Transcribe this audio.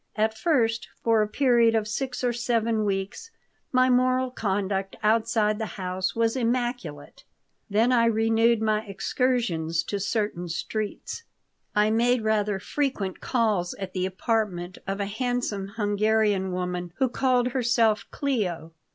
At first, for a period of six or seven weeks, my moral conduct outside the house was immaculate. Then I renewed my excursions to certain streets. I made rather frequent calls at the apartment of a handsome Hungarian woman who called herself Cleo.